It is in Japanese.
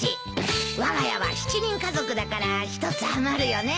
わが家は７人家族だから１つ余るよね。